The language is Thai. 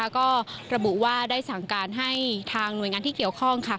ก็ระบุว่าได้สั่งการให้ทางหน่วยงานที่เกี่ยวข้อง